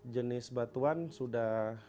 jenis batuan sudah